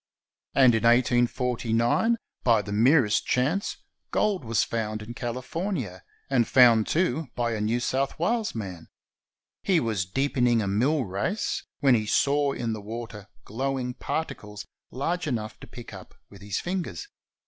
And in 1849, by the merest chance, gold was found in CaUfornia, and found, too, by a New South Wales man. He was deepening a mill race, when he saw in the water glowing particles large enough' to pick up with his fin gers.